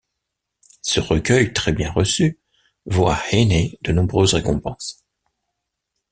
Ce recueil, très bien reçu, vaut à Heaney de nombreuses récompenses.